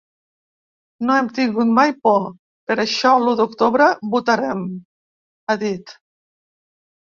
No hem tingut mai por; per això l’u d’octubre votarem, ha dit.